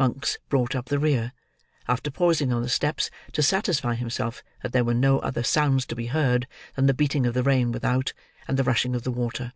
Monks brought up the rear, after pausing on the steps to satisfy himself that there were no other sounds to be heard than the beating of the rain without, and the rushing of the water.